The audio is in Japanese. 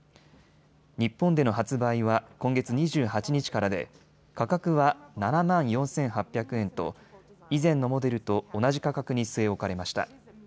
日本での発売は今月２８日からで価格は７万４８００円と以前のモデルと同じ価格に据え置かれました。